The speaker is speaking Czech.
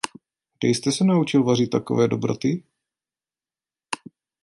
Kde jste se naučil vařit takové dobroty?